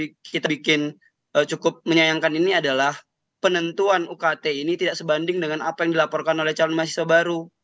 yang kita bikin cukup menyayangkan ini adalah penentuan ukt ini tidak sebanding dengan apa yang dilaporkan oleh calon mahasiswa baru